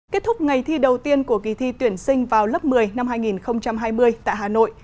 kết thúc ngày thi đầu tiên của kỳ thi tuyển sinh vào lớp một mươi năm hai nghìn hai mươi tại hà nội